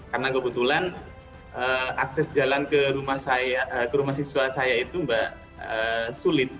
karena kebetulan akses jalan ke rumah siswa saya itu sulit